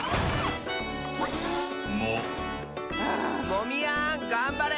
モミヤンがんばれ！